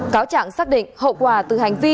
cáo trạng xác định hậu quả từ hành vi